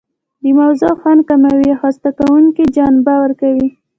د موضوع خوند کموي او خسته کوونکې جنبه ورکوي.